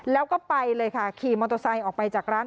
แล้วก็ไปเลยค่ะขี่มอเตอร์ไซค์ออกไปจากร้าน